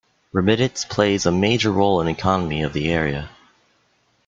Remittance plays a major role in economy of the area.